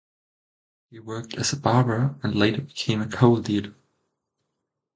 He worked as a barber and later became a coal dealer.